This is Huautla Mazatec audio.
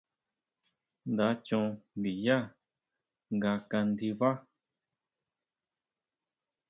Nda chon ndinyá nga kandibá.